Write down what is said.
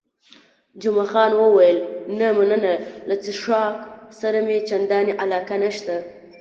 جمعه خان وویل، نه مننه، له څښاک سره مې چندانې علاقه نشته.